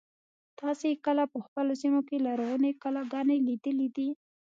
تاسې کله په خپلو سیمو کې لرغونې کلاګانې لیدلي دي.